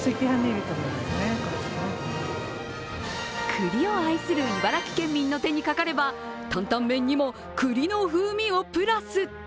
栗を愛する茨城県民の手にかかれば担々麺にも栗の風味をプラス。